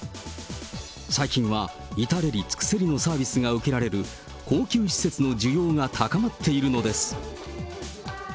最近は至れり尽くせりのサービスが受けられる高級施設の需要が高まっているのです。